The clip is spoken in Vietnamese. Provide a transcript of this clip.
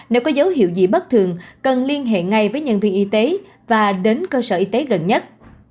nếu có dấu hiệu gì bất thường cần liên hệ ngay với nhân viên y tế và đến cơ sở y tế gần nhất